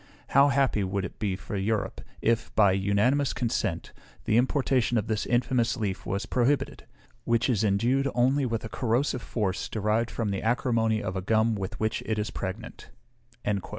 How happy would it be for Europe, if, by unanimous consent, the importation of this infamous leaf was prohibited, which is endued only with a corrosive force derived from the acrimony of a gum with which it is pregnant."